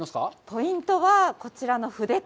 ポイントは、こちらの筆柿。